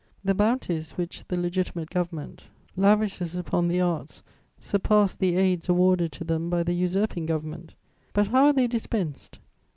"The bounties which the Legitimate Government lavishes upon the arts surpass the aids awarded to them by the Usurping Government; but how are they dispensed?